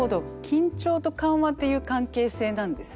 緊張と緩和っていう関係性なんですね。